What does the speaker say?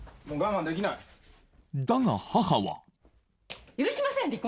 もう我慢できないだが母は許しません！